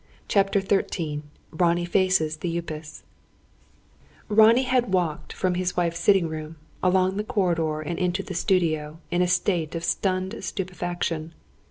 CHAPTER XIII RONNIE FACES THE UPAS Ronnie had walked from his wife's sitting room, along the corridor and into the studio, in a state of stunned stupefaction.